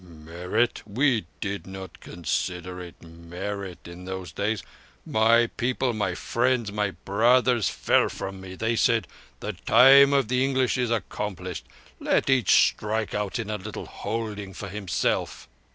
"Merit! We did not consider it merit in those days. My people, my friends, my brothers fell from me. They said: 'The time of the English is accomplished. Let each strike out a little holding for himself.